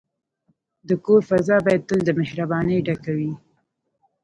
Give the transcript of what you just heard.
د کور فضا باید تل د مهربانۍ ډکه وي.